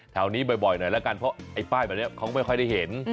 แถวนี้บ่อยหน่อยแล้วกันเพราะไอ้ป้ายแบบนี้เขาไม่ค่อยได้เห็น